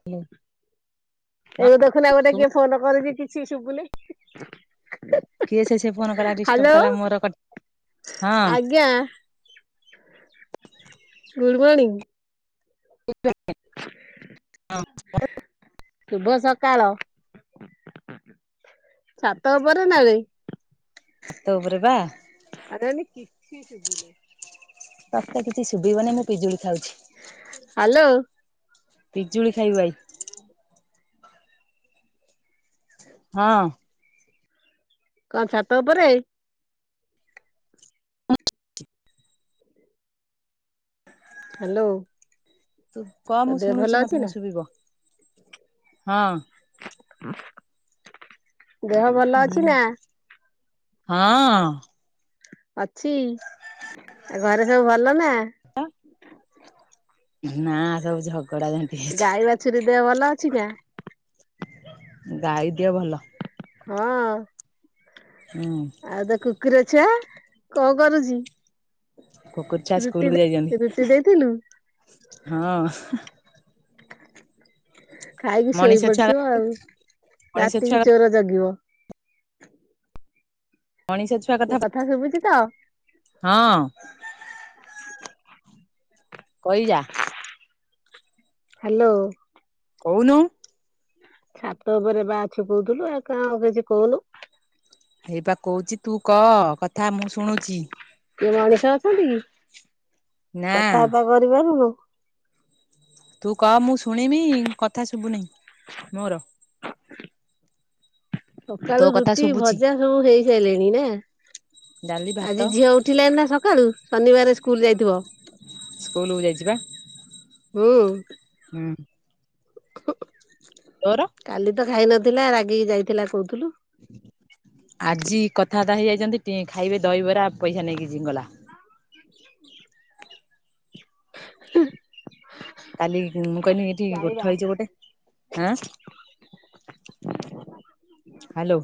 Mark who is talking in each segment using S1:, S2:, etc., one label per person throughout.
S1: Hello.
S2: ଏବେ ଦେଖୁନ ଗୋଟେ
S1: ଶୁଭୁ
S2: କିଏ ଫୋନ କରିଛି କିଛି ଶୁବୁନି।
S1: କିଏ ସେ ସେ ଫୋନ କଲା ଡିଷ୍ଟର୍ବ କଲା ମୋର କ ହଁ।
S2: ଆଜ୍ଞା [unintelligible] ଗୁଡ଼୍ ମର୍ଣିଂ।
S1: ସେ [unintelligible]
S2: ଶୁଭ ସକାଳ। ଛାତ ଉପରେ ନାବେ
S1: ଛାତ ଉପରେ ବା।
S2: ଆରେ ନି କିିଛି ଶୁବୁନି।
S1: ତତେ କିଛି ଶୁଭିବନି ମୁଁ ପିଜୁଳି ଖାଉଛି।
S2: ହ୍ୟାଲୋ
S1: ପିଜୁଳି ଖାଇବୁ ଆଇ।
S2: ହ [unintelligible]
S1: ହଁ।
S2: କଅଁ ଛାତ ଉପରେ? ହ୍ୟାଲୋ।
S1: ତୁ କହ
S2: ତୋ
S1: ମୁଁ
S2: ଦେହ
S1: ଶୁଣୁଛି
S2: ଭଲ ଅଛି
S1: ମତେ
S2: ନା
S1: ଶୁଭିବ ହଁ।
S2: ଦେହ ଭଲ
S1: ହୁଁ
S2: ଅଛି ନା?
S1: ହଁ।
S2: ଅଛି ଆଉ ଘରେ ସବୁ ଭଲ ନା?
S1: ତ ନା ସବୁ ଝଗ
S2: ଗାଈ ବାଛୁରୀ ଦେହ ଭଲ ଅଛି ନା?
S1: ଗାଈ ଦିହ ଭଲ।
S2: ହଁ।
S1: ହୁଁ।
S2: ଆଉ ତୋ କୁକୁର ଛୁଆ କଅଁ କରୁଛି?
S1: କୁକୁର ଛୁଆ
S2: ରୁଟି
S1: ସ୍କୁଲ କୁ ଯାଇଛନ୍ତି
S2: ରୁଟି ଦେଇଥିଲୁ
S1: ହଁ।
S2: ଖାଇକି
S1: ମଣିଷ ଛୁଆ
S2: ଶୋଇପଡିଥିବ ଆଉ
S1: ମଣିଷ ଛୁଆ
S2: ରାତିକି ଚୋର ଜଗିବ।
S1: ମଣିଷ ଛୁଆ
S2: ମୋ କଥା ଶୁଭୁଛି ତ।
S1: ହଁ। କହିଯା?
S2: ହ୍ୟାଲୋ।
S1: କହୁନୁ।
S2: ଛାତ ଉପରେ ବା ଅଛୁ କହୁଥିଲୁ ଆଉ କଣ କିଛି କହୁନୁ।
S1: ହେଇପା କହୁଛି ତୁ କହ କଥା ମୁଁ ଶୁଣୁଛି।
S2: କିଏ ମଣିଷ ଅଛନ୍ତି କି
S1: ନା
S2: କଥାବାର୍ତ୍ତା କରିପାରୁନୁ।
S1: ତୁ କହ ମୁଁ ଶୁଣିବି କଥା ଶୁବୁନି ମୋର। ତୋ
S2: ସକାଳୁ
S1: କଥା
S2: ରୁଟି
S1: ଶୁଭୁଛି।
S2: ଭଜା ସବୁ ହେଇ ସାରିଲାଣି ନା
S1: ଡାଲି ଭାତ
S2: ଆଜି ଝିଅ ଉଠ ଉଠିଲାଣି ନା ସକାଳୁ ଶନିବାର ସ୍କୁଲ ଯାଇଥିବ।
S1: ସ୍କୁଲକୁୁ ଯାଇଛି ପା।
S2: ହୁଁ।
S1: ହୁଁ।
S2: [inaudible]
S1: ତୋଅର
S2: କାଲି ତ ଖାଇ ନଥିଲା ରାଗିକି ଯାଇଥିଲା କହୁଥିଲୁ।
S1: ଆଜି କଥାବାର୍ତ୍ତା ହେଇଯାଇଛନ୍ତି ଟ ଖାଇବେ ଦହିବରା ପଇସା ନେଇକି ଗଲା।
S2: ହ [unintelligible] ହ [unintelligible]
S1: କାଲି ମୁଁ କହିଲି ଏଠି ଗୋଠ ହେଇଛି ଗୋଟେ ହଁ। ହ୍ୟାଲୋ।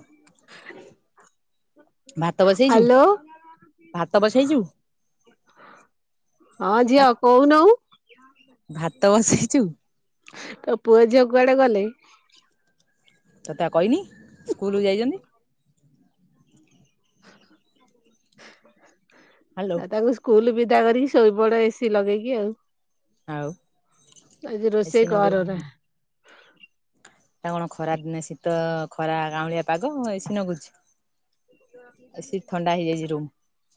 S1: ଭାତ ବସେଇଛୁ
S2: ହ୍ୟାଲୋ
S1: ଭାତ ବସେଇଛୁ?
S2: ହଁ ଝିଅ
S1: ହ୍ୟାଲୋ
S2: କହୁନୁ?
S1: ଭାତ ବସେଇଛୁ।
S2: ତ ପୁଅ ଝିଅ କୁଆଡେ ଗଲେ?
S1: ତତେ ପା କହିନି ସ୍କୁଲକୁ ଯାଇଛନ୍ତି। ହାଲୋ
S2: ଆ ତାଙ୍କୁ କୁଲ ବିଧା କରିକି ଶୋଇ ବଡ଼ ଏସିି ଲଗେଇକି ଆଉ
S1: ଆଉ
S2: ଆଜି
S1: ଏସି
S2: ରୋଷେଇ କାରନା।
S1: ନଗେଇ ତା କଣ ଖରା ଦିନେ ଶୀତ ଖରା କାଉଁଳିଆ ପାଗ ଏ ସି ନଗୁଛି ଏସି ଥଣ୍ଡା ହେଇଯାଇଛି ରୁମ୍
S2: ହଁ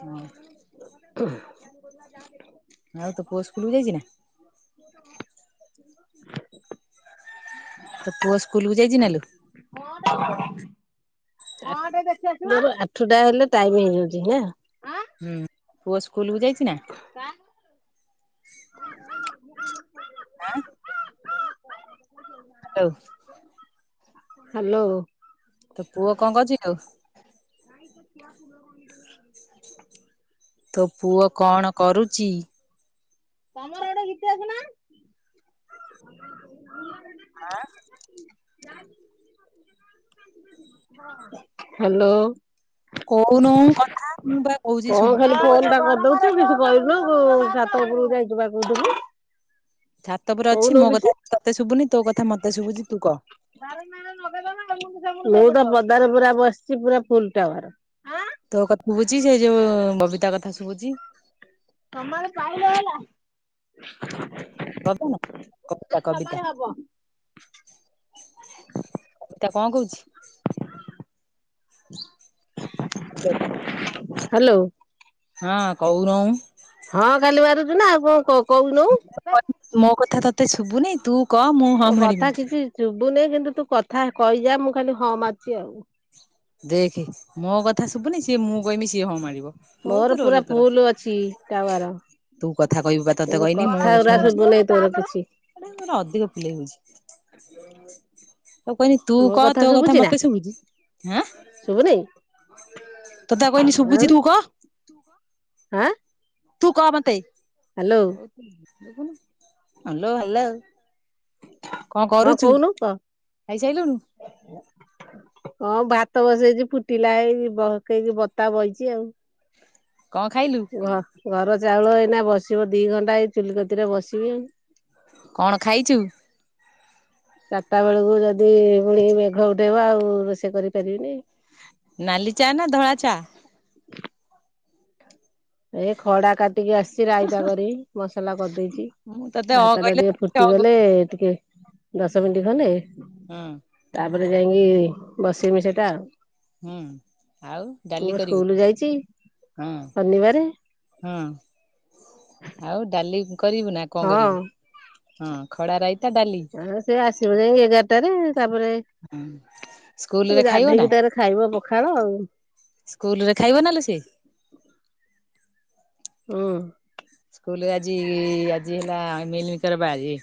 S1: ହଁ
S2: [unintelligible]
S1: ଆଉ ତୋ ପୁଅ ସ୍କୁଲକୁୁ ଯାଇଛି ନା?
S2: [inaudible]
S1: ତୋ ପୁଅ ସ୍କୁଲକୁୁ ଯାଇଛି ନାଲୋ?
S2: କୁ [unintelligible] ମର ଆଠଟା ହେଲେ ଟାଇମ ହେଇଯାଉଛି ନା
S1: ହୁଁ ପୁଅ ସ୍କୁଲକୁୁ ଯାଇଛି ନା?
S2: [unintelligible]
S1: ହଉ
S2: ହେଲୋ।
S1: ତୋ ପୁଅ କଣ କରୁଛି ଆଉ
S2: ନାଇଁ ତ କ ଫଲ
S1: ତୋ ପୁଅ କଣ କରୁଛି?
S2: ତମର ଗୋଟେ ଗୀତ ଅସ ନା
S1: ହଁ
S2: ହେଲୋ।
S1: କହୁନୁ କଥା ମୁଁ ବା କହୁଛି ସୁବୁଛି କଥା
S2: କରିଦଉଛ କି କହିଲୁ ସଛାତ ଉପରକୁ ଯାଇ ଯିବା କହୁ ଯିବୁ
S1: ଛାତ ପୁରରେ ଅଛି ମୋ କଥା ତତେ ଶୁଭୁନି ତୋ କଥା ମତେ ଶୁଭୁଛି ତୁ କହ।
S2: ମୁଁ ତ ପଦାରେ ପୁରା ବସିଛି ପୁରା ଫୁଲ ଟାୱାର।
S1: ତୋ କଥା ଶୁଭୁଚି ସେ ଯୋଉ ବବିତା କଥା ଶୁଭୁଛି।
S2: ତମର ଖାଇଦ ହେଲା।
S1: କବ ନା କବିତା କବିତା ଏ ତା କଣ କହୁଛି।
S2: ହେଲୋ।
S1: ହଁ କହୁନୁ।
S2: ହଁ ଖାଲି ମାରୁଛୁଁ ନା ଆଉ କଣ କହୁନୁ
S1: ମୋ କଥା ତତେ ଶୁଭୁନି ତୁ କହ ମୁଁ ହଁ
S2: ତୋ
S1: ମାରିବି।
S2: କଥା କିଛି ସୁ ଭୁନି କିନ୍ତୁ ତୁ କଥା କହିଯା ମୁଁ ଖାଲି ହଁ ମାରୁଛି ଆଉ।
S1: ଦେଖେ ମୋ କଥା ଶୁଭୁନି ସିଏ ମୁଁ କହିବି ସିଏ ହଁ ମାରିବ। ବହୁତ
S2: ମୋର ପୁରା
S1: ରୋଲ ତୋର।
S2: ଫୁଲ ଅଛି ଟାୱାର।
S1: ତୁ କଥା କହିବୁ ବା ତତେ
S2: କିନ୍ତୁ କଥା ଗୁରା ସୁବୁ ନି ତୋର କିଛି
S1: ମ ଅଧିକ ପିଲେଇ ହଉଛି ତାକୁ କହୁଛି ତୁ କହ ତୋ କଥା ମତେ ଶୁଭୁଝି
S2: ଶୁଭୁନାଇ
S1: ତୋତେ କହିନି
S2: ଆଉ
S1: ଶୁଭୁଛି ତୁ କହ
S2: ଆଁ।
S1: ତୁ କ ମତେ ହଲୋ ହେଲା
S2: ହଁ କହୁନୁ
S1: ଖାଇସାରିଲୁଣୁ
S2: କ- ହଁ ଭାତ ବସେଇଛି ଫୁଟିଲା ହେଇ ବକି ବତା ବହିଛି ଆଉ
S1: କଣ ଖାଇଲୁ
S2: ଘ ଘର ଚାଉଳ ଏଇନା ବସିବ ଦି ଘଣ୍ଟା ଏଇ ଚୁଲିିକତିରେ ବସିବି ଆଉ।
S1: କଣ ଖାଇଛୁ।
S2: ଚାର୍ଟା ବେଳକୁ ଯଦି ପୁଣି ମେଘ ଉଠେଇବ ଆଉ ରୋଷେଇ କରିପାରିବିନି।
S1: ନାଲି ଚା ନା ଧଳା ଚା।
S2: ଏ ଖଡା କାଟିକି ଆସି ରାଇତା କରି ମସଲା କରିଦେଇଛି
S1: ମୁଁ ତତେ ଅ
S2: ଭାତ ଟା
S1: କହିଲେ
S2: ଟିକେ
S1: ଅ କହୁଛୁ।
S2: ଫୁଟିଗଲେ ଟିକେ ଦଶ ମିନିଟ୍ ଖଣ୍ଡେ
S1: ହଁ
S2: ତାପରେ ଯାଇକି ବସେଇମି ସେଟା ଆଉ।
S1: ହୁଁ ଆଉ ଡାଲି କରିବୁ ହଁ।
S2: ନିବାରେ
S1: ହଁ ଆଉ ଡାଲି କରିବୁ ନା କଣ
S2: ହଁ
S1: କରିବୁ। ହଁ ଖଡ଼ା ରାଇତା ଡାଲି।
S2: ହ ସେ ଆସିବ ଯାଇ ଏଗାରଟାରେ ତାପରେ
S1: ହଁ ସ୍କୁଲରେ
S2: ଉଁ
S1: ଖାଇବ
S2: ଗାଧେଇକି ତାର ଖାଇବ ପଖାଳ ଆଉ।
S1: ସ୍କୁଲ ରେ ଖାଇବ ନା ଲୋ ସିଏ।
S2: ହୁଁ
S1: ସ୍କୁଲ ରେ ଆଜି ଆଜି ହେଲା ମିଲମିକର ବାରି।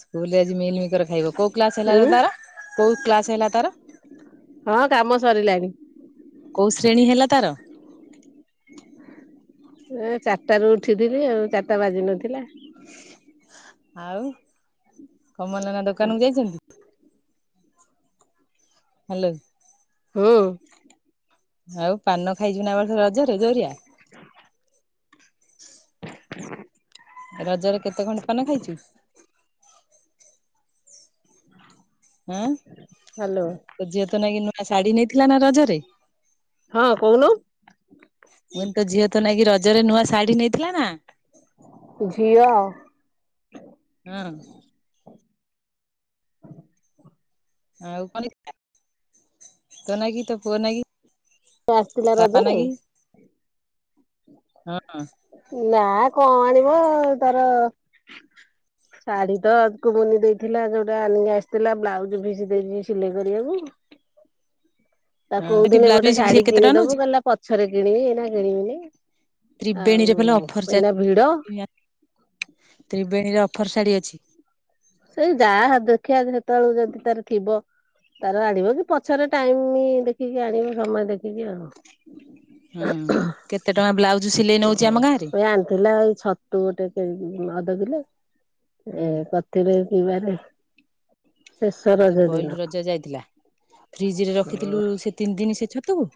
S1: ସ୍କୁଲ ରେ ଆଜି ମିଲ୍ ମିକର ଖାଇବ କୋଉ କ୍ଲାସ ହେଲା ଲ
S2: ଉଁ
S1: ତାର କୋଉ କ୍ଲାସ ହେଲା ତାର।
S2: ହଁ କାମ ସରିଲାଣି।
S1: କୋଉ ଶ୍ରେଣୀ ହେଲା ତାର।
S2: ଏ ଚାରିଟା ରୁ ଉଠିଥିଲି ଆଉ ଚାରିଟା ବାଜି ନଥିଲା।
S1: ଆଉ କମଲନା ଦୋକାନ କୁ ଯାଇଛନ୍ତି। ହଲୋ।
S2: ଓ
S1: ଆଉ ପାନ ଖାଇଛୁ ନା ଏବର୍ଷ ରଜରେ ଯୋରିଆ। ରଜରେ କେତେ ଖଣ୍ଡେ ପାନ ଖାଇଛୁ।
S2: ହୁଁ। [unintelligible]
S1: ହଁ।
S2: ହ୍ୟାଲୋ।
S1: ତୋ ଝିଅ ତ ନାଇ କିି ନୂଆ ଶାଢୀ ନେଇଥିଲା ନା ରଜରେ।
S2: ହଁ କଉନୁ
S1: ମୁ କଇଲି ତୋ ଝିଅ ତୋ ନାଗି କିି ରଜରେ ନୂଆ ଶାଢୀ ନେଇଥିଲା ନା।
S2: ଝିଅ।
S1: ହଁ।
S2: ହଁ। [unintelligible]
S1: ଆଉ କନ୍ ନେଇଥିଲା ତ ନାଗି ତ ପୁଅ ନାଗି
S2: ଆସିଥିଲା
S1: ଖପ
S2: ରଜରେ?
S1: ନାଗି ହଁ [inaudible] [unintelligible]
S2: ନା କଣ ଆଣିବ ତାର ଶାଢୀ ତ ଆକୁ ବୁନି ଦେଇଥିଲା ଯୋଉଟା ଆନିକି ଆସିଥିଲା ବ୍ଲାଉଜ ଫିସ୍ ଦେଇଚି ସିଲେଇ କରିବାକୁ। ତାକୁ
S1: ସେଠି
S2: କୋଉଥିଲି
S1: ବ୍ଲାଉଜ
S2: ଗୋଟେ
S1: ପିସ୍ ସେ
S2: ଶାଢୀ
S1: କେତେ ଟଙ୍କା ନଉଛି?
S2: କିଣିଦବୁ କହିଲା ପଛରେ କିଣିବି ଏଇନା କିଣିବିନି। ଆଉ
S1: ତ୍ରିବେଣୀରେ ଭଲ ଅଫର
S2: ଏଇନା ଭିଡ
S1: ତ୍ରିବେଣୀରେ ଅଫର ଶାଢୀ ଅଛି।
S2: ସେଇ ଯାହା ଦେଖିବା ସେତେବେଳକୁ ଯେମିତି ତାର ଥିବ। ତାର ଆଣିବ କି ପଛରେ ଟାଇମୀ ଦେଖିକି ଆଣିବ ସମୟ ଦେଖିକି ଆଉ।
S1: ହୁଁ କେତେ ଟଙ୍କା ବ୍ଲାଉଜ ସିଲେଇ
S2: ଓ
S1: ନେଉଛି ଆମ ଗାଁ ରେ।
S2: ଆଣିଥିଲା ଏଇ ଛ ତୁ ଗୋଟେ କେ ଅଧ କିଲେ ଏ
S1: ହୁଁ
S2: କଥରେ ପିଇିବାରେ
S1: ସେ ତ ପହିଲି ରଜ ଯାଇଥିଲା ଫ୍ରିଜ ରେ ରଖିଥିଲୁ ସେ ତିନି ଦିନ ସେ ଛତକୁ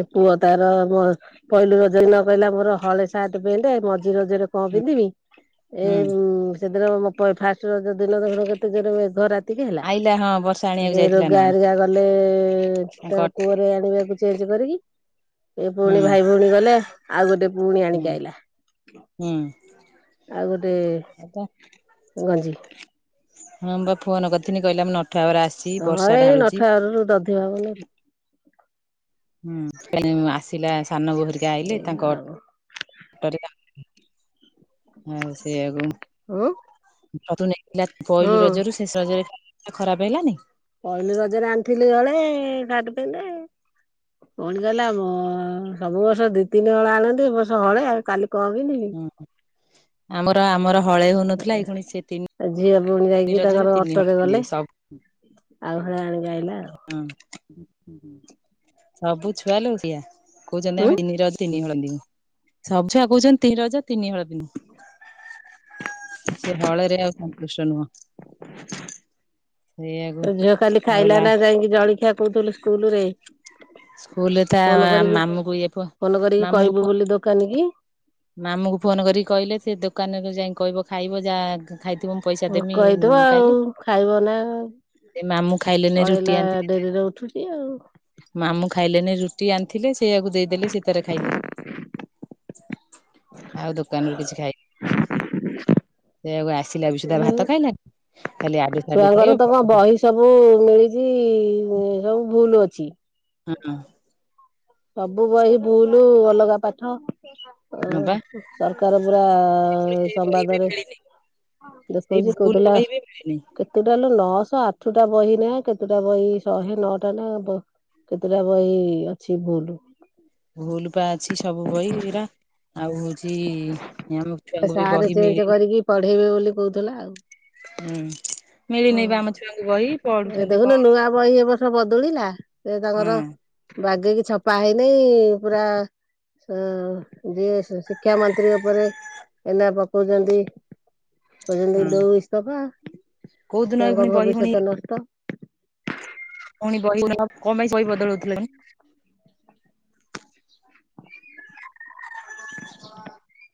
S2: ଏ ପୁଅ ତାର ମ ପହିଲ ରଜ ଦିନ କହିଲା ମୋର ହଳେ ସାର୍ଟ ପେଣ୍ଟ ମଝି ରଜରେ କଣ
S1: ହୁଁ
S2: ପିନ୍ଧିବି ଏ
S1: ହୁଁ
S2: ସେଦିନ ମ ପ ଫାଷ୍ଟ ରଜ ଦିନ ଦେଖୁନ କେତେ ଜୋରରେ ମେଘ ରା ତିକି ହେଲା।
S1: ଆଇଲା ହଁ ବର୍ଷା ଆଣିବାକୁ
S2: ସେ
S1: ଯାଇଥିଲା
S2: ରୋଗା
S1: ନା କଣ
S2: ହେରିକା ଗଲେ
S1: ତାଙ୍କ
S2: ତା
S1: ଅଟୋ।
S2: ପୁଅର ଆଣିବାକୁ ଚେଞ୍ଜ କରିକି ଏ
S1: ହୁଁ
S2: ପୁଣି ଭାଇ ଭଉଣୀ ଗଲେ ଆଉ ଗୋଟେ ପୁଣି
S1: ହୁଁ
S2: ଆଣିକି ଆଇଲା।
S1: ହୁଁ।
S2: ଆଉ ଗୋଟେ ଗଞ୍ଜି।
S1: ହଁ ବା ଫୋନ କରିଥିଲି କହିଲା ମୁଁ ନ
S2: ହଁ ଏଇ ନଠାଗଡରୁ ଦଧିବାବନ।
S1: ହୁଁ [inaudible] ଆସିଲା ସାନ ବୋହୁ ହେରିକା ଆଇଲେ
S2: ଏଇଆ
S1: ତାଙ୍କ
S2: ଆଉ।
S1: କରିକି ଆଣିଲି। ଆଉ ସେଇଆକୁ
S2: ଉଁ।
S1: ତୁ ନେଇଥିଲା ପହିଲୁ ରଜରୁ ସେଷ ରଜରେ [inaudible] ଖରାପ ହେଲାନି।
S2: ପହିଲି ରଜରେ ଆଣିଥିଲି ହଳେ ସାର୍ଟ ପେଣ୍ଟ। ପୁଣି କହିଲା ମ ସବୁ ବର୍ଷ ଦି ତିନିହଳ ଆଣନ୍ତି ଏ ବର୍ଷ ହଳେ ଆଉ କାଲି କଣ ପିନ୍ଧିବି?
S1: ହୁଁ ଆମର ଆମର ହଳେ ହଉନଥିଲା ଏଇ ପୁଣି ସେ ତିନି
S2: ଆ ଝିଅ ପୁଣି
S1: ତିନି
S2: ଯାଇକି
S1: ରଜରେ
S2: ତାଙ୍କର
S1: ତିନି ହଳ
S2: ଅଟୋରେ ଗଲେ
S1: ପିନ୍ଧିବେ ସବୁ
S2: ଆଉ ହଳେ ଆଣିିକି ଆାଇଲା ଆଉ।
S1: ହଁ ସବୁ ଛୁଆ ଲୋ ସେଇଆ କହୁଛନ୍ତି
S2: ଉଁ
S1: ଆମେ ତିନି ରଜ ତିନିହଳ ପିନ୍ଧିବ ସବୁ ଛୁଆ କହୁଛନ୍ତି ତିନି ରଜ ତିନିହଳ ପିନ୍ଧିବୁ। ସେ ହଳେରେ ଆଉ ସନ୍ତୁଷ୍ଟ ନୁହଁ। ସେଇଆକୁ
S2: ତୋ ଝିଅ କାଲି
S1: ଆଉ
S2: ଖାଇଲା
S1: ଲା
S2: ନା ଯାଇକି ଜଳଖିଆ କହୁଥିଲୁ ସ୍କୁଲରେ।
S1: ସ୍କୁଲରେ ତା
S2: ଫୋନ କରିକି
S1: ମାମୁଁକୁ ଇଏ ପୁଅ
S2: ଫୋନ କରିକି କହିବୁ ବୋଲି ଦୋକାନୀ କି।
S1: ମାମୁକୁ ଫୋନ କରିକି କହିଲେ ସେ ଦୋକାନକୁ ଯାଇ କହିବ ଖାଇବ ଯାହା ଖା ଖାଇଥିବ ମୁଁ ପଇସା
S2: ଭୋକ
S1: ଦେମି
S2: ହେଇଥିବ ଆଉ
S1: କାଲି।
S2: ଖାଇବ ନା
S1: ଏ ମାମୁଁ ଖାଇଲେ ନାଇ
S2: ପଳେଇଲା
S1: ରୁଟି ଆଣି ଥିଲେ।
S2: ଡେରିରେ ଉଠୁଛି ଆଉ।
S1: ମାମୁଁ ଖାଇଲେନି ରୁଟି ଆଣିଥିଲେ ସେଇଆକୁ ଦେଇଦେଲେ ସେ ତାର ଖାଇଲା। ଆଉ ଦୋକାନରୁୁ କିଛି ଖାଇନି।
S2: ହ [inaudible]
S1: ସେଇଆକୁ ଆସିଲା ବି ସୁଧା ଭାତ ଖାଇଲା। ଖାଲି ଆଡୁ ସାଡୁ
S2: ଛୁଆଙ୍କର ତ କଣ
S1: ଖାଇବ।
S2: ବହି ସବୁ ମିଳିଛି ସବୁ ଭୁଲ ଅଛି।
S1: ହୁଁ।
S2: ସବୁ ବହି ଭୁଲ ଅଲଗା ପାଠ। ଓ
S1: ହଁ ବା
S2: ସରକାର ପୁରା
S1: ରହିବି
S2: ସମ୍ବାଦରେ
S1: ମିଳିନି ଏଇ
S2: ଦେଖଉଛି
S1: ଭୁଲ
S2: କହୁଥିଲା
S1: ବହି ବି ମିଳୁନି
S2: ଟୋଟାଲ ନଅଶହ ଆଠଟା ବହି ନା କେତେଟା ବହି ଶହେ ନଅଟା ନା ବ କେତେଟା ବହି ଅଛି ଭୁଲ।
S1: ଭୁଲ ପା ଅଛି ସବୁ ବହି ହେରା ଆଉ ଅଛି ଆମ ଛୁଆଙ୍କୁ ବି
S2: ସାର୍
S1: ବହି
S2: ଚେଞ୍ଜ
S1: ମିଳିନି।
S2: କରିକି ପଢେଇବେ ବୋଲି କହୁଥିଲା ଆଉ।
S1: ହୁଁ। ମିଳିନି ବା ଆମ ଛୁଆଙ୍କୁ ବହି
S2: ହଁ ଏ
S1: ପଢୁଛନ୍ତି
S2: ଦେଖୁନ
S1: କଣ
S2: ନୂଆ ବହି ଏ ବର୍ଷ ବଦଳିଲା ସେ
S1: ହଁ
S2: ତାଙ୍କର ବାଗେଇକି ଛପା ହେଇ ନାହିଁ ପୁରା ଯିଏ ସେସିପି। କିଆଁ ମନ୍ତ୍ରୀ ଉପରେ ଏଇନା ପକଉଚନ୍ତି କଉଛନ୍ତି
S1: ହଁ
S2: ଦଉଇସ୍ତପା।
S1: କୋଉ ଦିନ ଏଇ
S2: ଛୁଆଙ୍କ
S1: ପୁଣି ବହି ପୁଣି
S2: ଭବିଷ୍ୟତ ନଷ୍ଟ।
S1: ପୁଣି ବହି ବଦଳ କଣପାଇଁ ବହି ବଦଳଉଥିଲାଣି [unintelligible]